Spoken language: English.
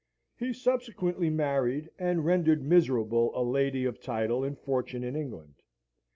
He subsequently married, and rendered miserable a lady of title and fortune in England.